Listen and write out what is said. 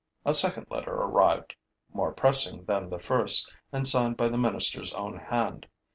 A second letter arrived, more pressing than the first and signed by the minister's own hand.